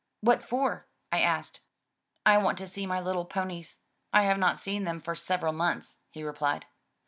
"What for?" I asked. "I want to see my little ponies. I have not seen them for several months," he replied.